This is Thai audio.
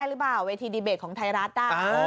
หรือเปล่าเวทีดีเบตของไทยรัฐ